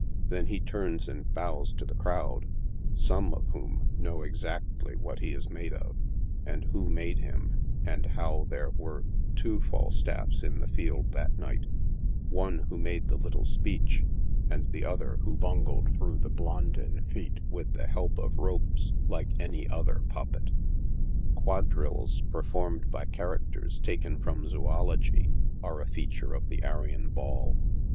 Then he turns and bows to the crowd, some of whom know exactly what he is made of, and who made him, and how there were two Falstaffs in the field that night — one who made the little speech, and the other who bungled through the Blondin feat with the help of ropes, like any other puppet. Quadrilles performed by characters taken from zoology, are a fea ture of the Arion Ball.